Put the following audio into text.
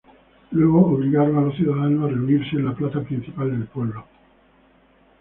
Luego obligaron a los ciudadanos a reunirse en la plaza principal del pueblo.